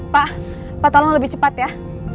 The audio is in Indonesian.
pak pak tolong lebih cepat ya